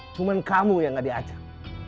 cuma kamu yang gak diajak